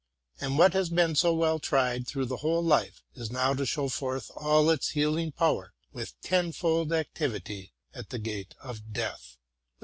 And what has been so well tried through the whole life, is now to show forth all its healing power with tenfold ac tivity at the gate of Death.